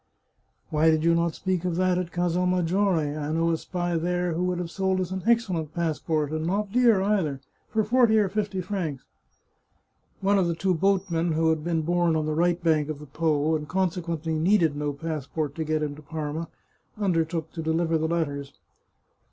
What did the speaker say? " Why did you not speak of that at Casal Maggiore ? I know a spy there who would have sold us an excellent pass port, and not dear either, for forty or fifty francs." One of the two boatmen, who had been born on the right bank of the Po, and consequently needed no passport to get him to Parma, undertook to deliver the letters.